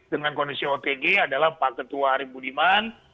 dengan kondisi otg adalah pak ketua arief budiman